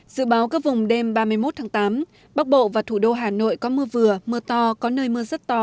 dự báo các vùng đêm ba mươi một tháng tám bắc bộ và thủ đô hà nội có mưa vừa mưa to có nơi mưa rất to